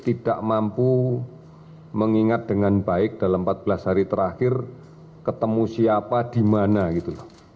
tidak mampu mengingat dengan baik dalam empat belas hari terakhir ketemu siapa di mana gitu loh